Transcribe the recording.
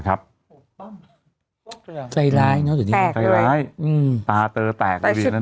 คติดมือ